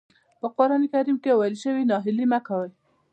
په قرآن کريم کې ويل شوي ناهيلي مه کوئ.